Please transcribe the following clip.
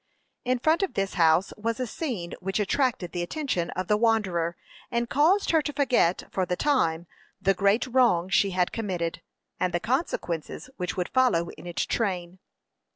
In front of this house was a scene which attracted the attention of the wanderer, and caused her to forget, for the time, the great wrong she had committed, and the consequences which would follow in its train.